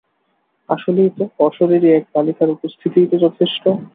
আসলেই তো, অশরীরী এক বালিকার উপস্থিতিই তো যথেষ্ট।